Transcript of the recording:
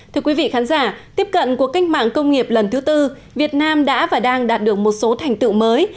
thưa quý vị khán giả tiếp cận của cách mạng công nghiệp lần thứ tư việt nam đã và đang đạt được một số thành tựu mới